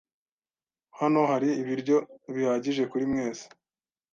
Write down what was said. Hano hari ibiryo bihagije kuri mwese.